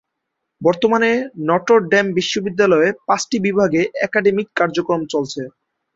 বর্তমানে Notre Dame বিশ্ববিদ্যালয়ে পাঁচটি বিভাগে একাডেমিক কার্যক্রম চলছে।